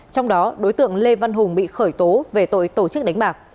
trong đó đối tượng lê văn hùng bị khởi tố về tội tổ chức đánh bạc